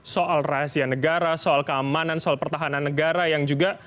soal rahasia negara soal keamanan soal pertahanan negara yang juga